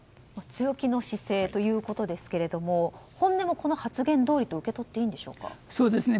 強気の姿勢ということですが本音も、この発言どおりと受け取っていいんでしょうか？